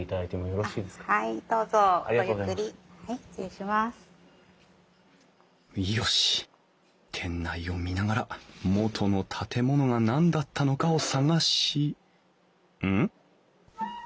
よし店内を見ながら元の建物が何だったのかを探しうん？